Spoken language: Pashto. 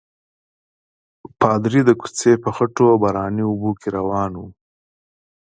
پادري د کوڅې په خټو او باراني اوبو کې روان وو.